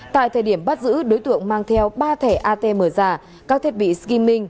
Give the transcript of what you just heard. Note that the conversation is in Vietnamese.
tại thời điểm bắt giữ đối tượng mang theo ba thẻ atm giả các thiết bị skyming